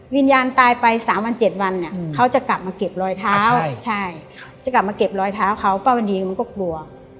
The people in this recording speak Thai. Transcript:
วิญญาณตายไปสามวันเจ็ดวันเขาจะกลับมาเก็บรอยเท้าเขาป้าวันดีมันก็กลัว